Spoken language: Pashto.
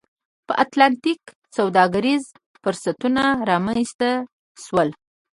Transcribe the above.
په اتلانتیک کې سوداګریز فرصتونه رامنځته شول